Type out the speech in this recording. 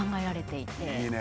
いいね！